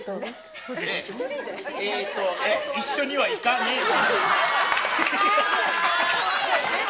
一緒には行かねえと。